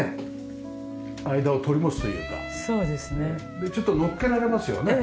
でちょっと載っけられますよね。